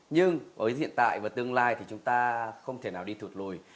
nhưng với hiện tại và tương lai thì chúng ta không thể nào đi thụt lùi